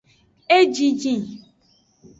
Ejijin.